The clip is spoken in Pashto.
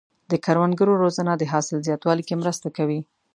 د کروندګرو روزنه د حاصل زیاتوالي کې مرسته کوي.